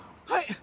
はい。